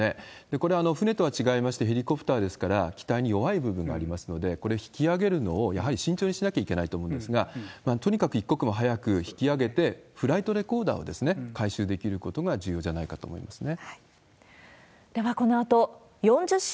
これ、船とは違いまして、ヘリコプターですから、機体に弱い部分がありますので、これ、引き揚げるのをやはり慎重にしなきゃいけないと思うんですが、とにかく一刻も早く引き揚げて、フライトレコーダーを回収できることが重要じゃないかと思うんですね。